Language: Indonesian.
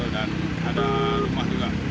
dan ada rumah juga